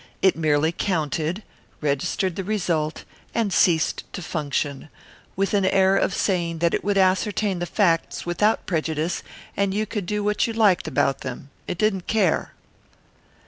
It merely counted, registered the result, and ceased to function, with an air of saying that it would ascertain the facts without prejudice and you could do what you liked about them. It didn't care.